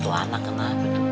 tuh anak kenapa tuh